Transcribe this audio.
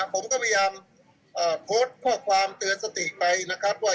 ผมก็พยายามโพสต์ข้อความเตือนสติไปนะครับว่า